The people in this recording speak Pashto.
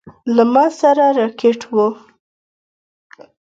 له ما سره راکټ و.